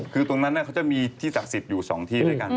คือตรงนั้นเขาจะมีที่ศักดิ์สิทธิ์อยู่๒ที่ด้วยกัน